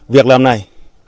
việc làm này